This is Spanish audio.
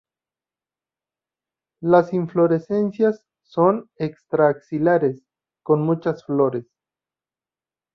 Las inflorescencias son extra-axilares, con muchas flores.